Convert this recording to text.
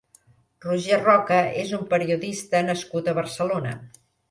Roger Roca és un periodista nascut a Barcelona.